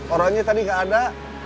orangnya tadi enggak ada